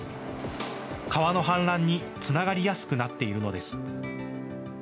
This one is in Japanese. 川の氾濫につながりやすくなっているのです。